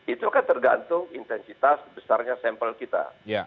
itu kan tergantung intensitas besarnya sampel kita